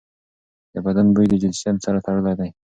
د بدن بوی د جنسیت سره تړلی دی.